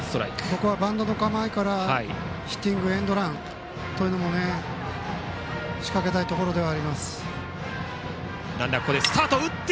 ここはバントの構えからヒッティングエンドランというのを仕掛けたいところです。